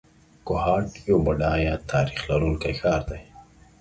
کوهاټ یو بډایه تاریخ لرونکی ښار دی.